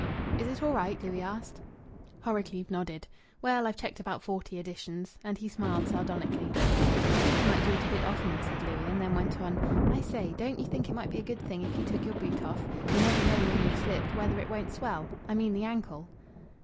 "Is it all right?" Louis asked. Horrocleave nodded. "Well, I've checked about forty additions." And he smiled sardonically. "I think you might do it a bit oftener," said Louis, and then went on: "I say, don't you think it might be a good thing if you took your boot off. You never know, when you've slipped, whether it won't swell I mean the ankle."